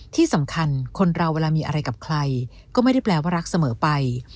ที่สำคัญคนเราเวลามีอะไรกับใครก็ไม่ได้แปลว่ารักเสมอไป